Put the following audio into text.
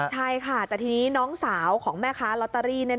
ใช่ค่ะแต่ทีนี้น้องสาวของแม่ค้าลอตเตอรี่